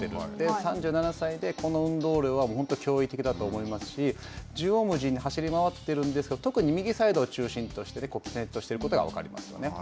３７歳で、この運動量は本当に驚異的だと思いますし縦横無尽に走り回っているんですけれども、特に右サイドを中心として、プレーしていることが分かりますよね。